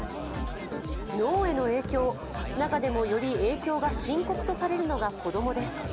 脳への影響、中でもより影響が深刻とされるのが子供です。